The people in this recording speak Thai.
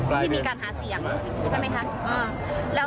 ที่มีการหาเสียงใช่ไหมคะ